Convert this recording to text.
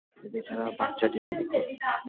এই বেচারা বাচ্চাটিকে দেখুন!